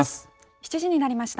７時になりました。